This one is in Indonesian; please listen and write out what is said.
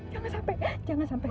jangan sampai jangan sampai